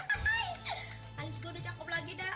alis gua udah cakep lagi dah